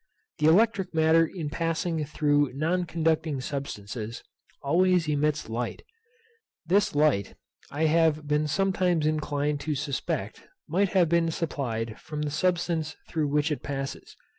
The electric matter in passing through non conducting substances always emits light. This light I have been sometimes inclined to suspect might have been supplied from the substance through which it passes.